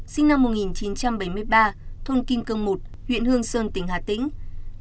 sinh năm một nghìn chín trăm bảy mươi ba thôn kim cương một huyện hương sơn tỉnh hà tĩnh